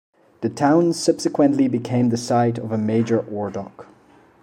The town subsequently became the site of a major ore dock.